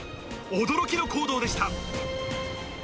驚きの行動でした。